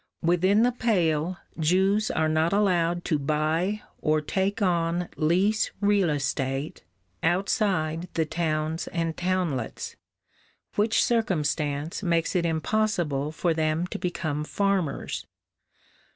Within the Pale, Jews are not allowed to buy or take on lease real estate outside the towns and townlets, which circumstance makes it impossible for them to become farmers.